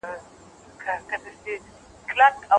غړي د عامه شتمنيو د غلا مخنيوی کوي.